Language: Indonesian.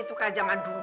tukar zaman dulu